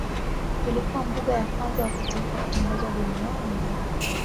Ilikuwa mbuga ya kwanza wa kitaifa kutangazwa duniani.